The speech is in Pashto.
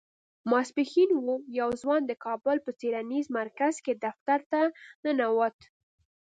ماسپښين و يو ځوان د کابل په څېړنيز مرکز کې دفتر ته ننوت.